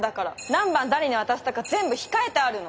何番誰に渡したか全部控えてあるの。